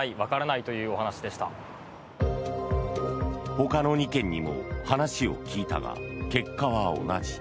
ほかの２軒にも話を聞いたが結果は同じ。